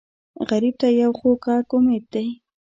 غریب ته یو خوږ غږ امید دی